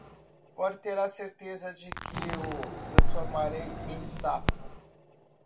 pode ter a certeza de que o transformarei em sapo.